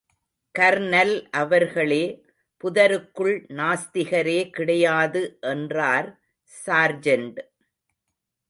Kernel அவர்களே, புதருக்குள் நாஸ்திகரே கிடையாது என்றார் சார்ஜெண்ட்.